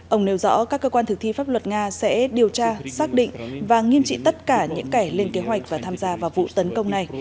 ông nêu rõ các cơ quan thực thi pháp luật nga sẽ điều tra xác định và nghiêm trị tất cả những kẻ lên kế hoạch và tham gia vào vụ tấn công này